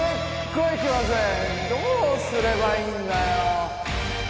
どうすればいいんだよ。